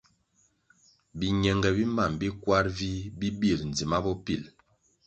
Biñenge bi mam bi kwar vih bi bir ndzima bopil.